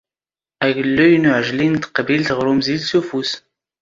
ⴰⴳⵍⵍⵓⵢ ⵏ ⵓⵄⵊⵍⵉ ⵏ ⵜⵇⴱⵉⵍⵜ ⵖⵔ ⵓⵎⵣⵉⵍ ⵙ ⵓⴼⵓⵙ